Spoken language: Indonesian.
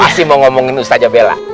pasti mau ngomongin ustadz zabel lah